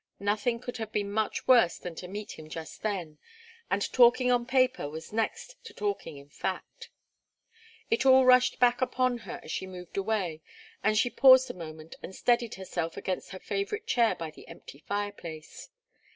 Nothing could have been much worse than to meet him just then, and talking on paper was next to talking in fact. It all rushed back upon her as she moved away, and she paused a moment and steadied herself against her favourite chair by the empty fireplace.